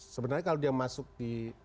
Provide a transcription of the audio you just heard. sebenarnya kalau dia masuk di